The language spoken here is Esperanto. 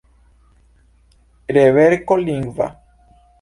Reverko lingva.